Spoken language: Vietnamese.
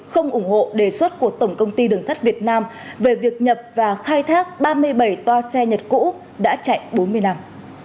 không ủng hộ đề xuất của tổng công ty đường sắt việt nam về việc nhập và khai thác ba mươi bảy toa xe nhật cũ đã chạy bốn mươi năm